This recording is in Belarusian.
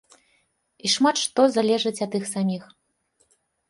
І шмат што залежыць ад іх саміх.